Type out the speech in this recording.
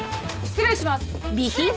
失礼します。